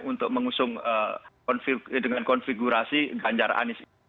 untuk mengusung dengan konfigurasi ganjar anies